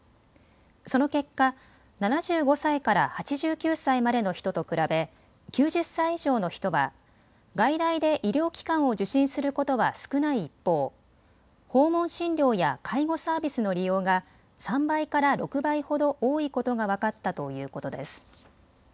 その結果、７５歳から８９歳までの人と比べ９０歳以上の人は外来で医療機関を受診することは少ない一方、訪問診療や介護サービスの利用が３倍から６倍ほど多いことが分かったということです。